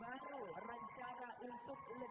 baru rencana untuk lebih serius